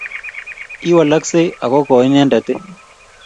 I wallaksei ako ko inendet I